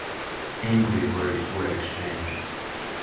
Angry words were exchanged.